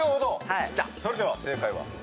それでは正解は？